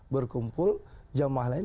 berkumpul jamaah lain